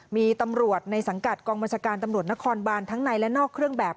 มีตำรวจในสังกัดกองบัญชาการตำรวจนครบานทั้งในและนอกเครื่องแบบ